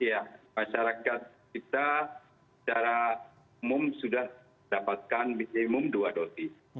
ya masyarakat kita secara umum sudah dapatkan minimum dua dosis